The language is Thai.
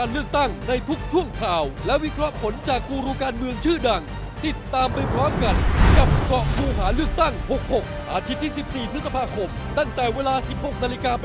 วันนี้ลาไปก่อนสวัสดีค่ะ